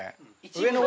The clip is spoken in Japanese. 上の方。